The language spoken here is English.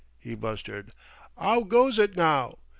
he blustered. "'Ow goes it now?